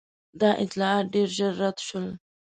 دا اطلاعات ډېر ژر رد شول.